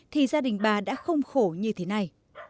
thì gia đình bà đã không khổ như thế này